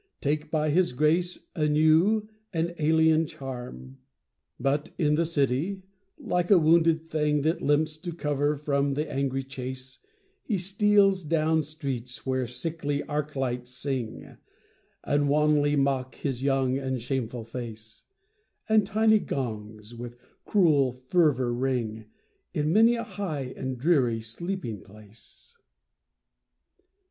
Take by his grace a new and alien charm. But in the city, like a wounded thing That limps to cover from the angry chase, He steals down streets where sickly arc lights sing, And wanly mock his young and shameful face; And tiny gongs with cruel fervor ring In many a high and dreary sleeping place.